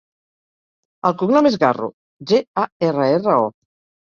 El cognom és Garro: ge, a, erra, erra, o.